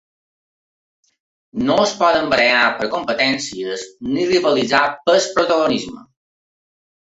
No ens podem barallar per competències ni rivalitzar pel protagonisme.